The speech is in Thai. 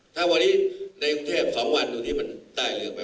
ถ้าวันนี้ในกุฏเทพศ์๒วันที่มันได้เรื่องอะไร